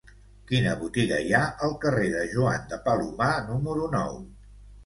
Quina botiga hi ha al carrer de Joan de Palomar número nou?